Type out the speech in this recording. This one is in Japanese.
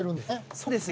そうですね。